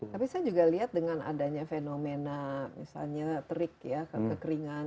tapi saya juga lihat dengan adanya fenomena misalnya terik ya kekeringan